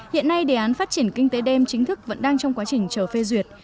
hiện nay đề án phát triển kinh tế đêm chính thức vẫn đang trong quá trình chờ phê duyệt